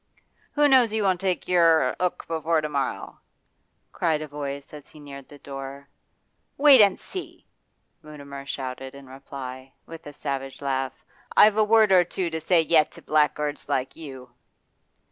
'Who knows you won't take yer 'ook before to morrow?' cried a voice as he neared the door. 'Wait and see!' Mutimer shouted in reply, with a savage laugh. 'I've a word or two to say yet to blackguards like you.